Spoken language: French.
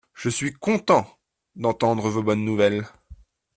Je suis content d’entendre vos bonnes nouvelles.